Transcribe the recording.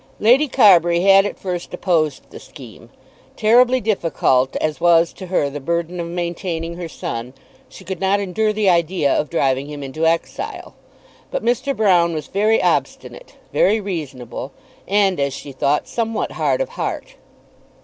Lady Carbury had at first opposed the scheme. Terribly difficult as was to her the burden of maintaining her son, she could not endure the idea of driving him into exile. But Mr. Broune was very obstinate, very reasonable, and, as she thought, somewhat hard of heart.